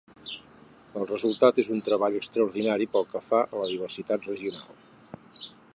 El resultat és un treball extraordinari pel que fa a la diversitat regional.